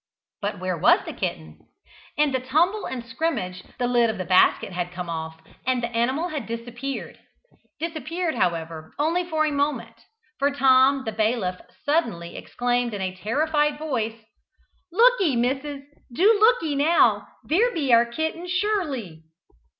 But where was the kitten? In the tumble and scrimmage, the lid of the basket had come off, and the animal had disappeared. Disappeared, however, only for a moment, for Tom the bailiff suddenly exclaimed in a terrified voice, "Look'ee, missis, do look'ee now there be our kitten sure ly!"